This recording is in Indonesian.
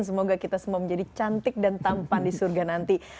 semoga kita semua menjadi cantik dan tampan di surga nanti